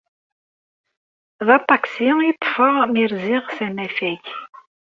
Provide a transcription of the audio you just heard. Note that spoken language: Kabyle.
D aṭaksi i ṭṭfeɣ mi rziɣ s anafag.